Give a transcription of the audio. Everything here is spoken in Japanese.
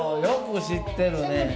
よく知ってるね！